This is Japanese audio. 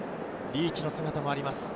リーチの姿もあります。